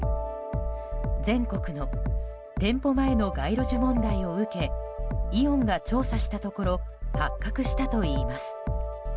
全国の店舗前の街路樹問題を受けイオンが調査したところ発覚したといいます。